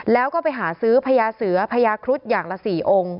แล้วก็ไปหาซื้อพญาเสือพญาครุฑอย่างละ๔องค์